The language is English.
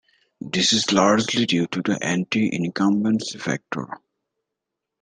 This is largely due to the anti-incumbency factor.